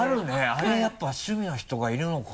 あれやっぱり趣味の人がいるのか。